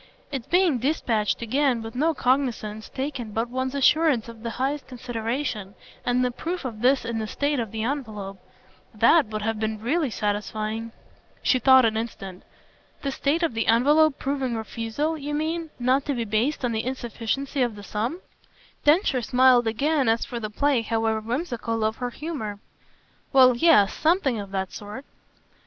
Its being dispatched again, with no cognisance taken but one's assurance of the highest consideration, and the proof of this in the state of the envelope THAT would have been really satisfying." She thought an instant. "The state of the envelope proving refusal, you mean, not to be based on the insufficiency of the sum?" Densher smiled again as for the play, however whimsical, of her humour. "Well yes something of that sort."